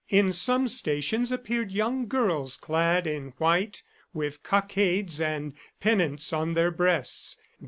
In some stations appeared young girls clad in white with cockades and pennants on their breasts.